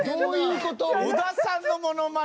「おださんのモノマネ」。